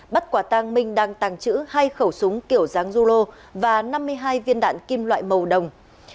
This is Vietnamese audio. bắt quả tàng minh đang tàng trữ hai khẩu súng kiểu giáng zulu và năm mươi hai viên đạn kim loại màu đồng